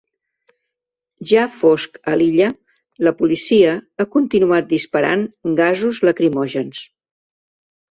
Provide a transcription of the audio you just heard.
Ja fosc a l’illa, la policia ha continuat disparant gasos lacrimògens.